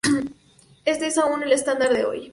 Este es aún el estándar de hoy.